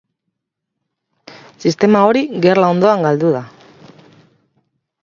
Sistema hori gerla ondoan galdu da.